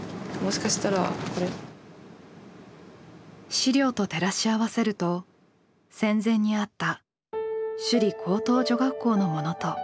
資料と照らし合わせると戦前にあった「首里高等女学校」のものと一致しました。